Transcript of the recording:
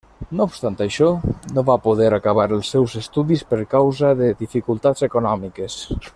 No obstant això, no va poder acabar els seus estudis per causa de dificultats econòmiques.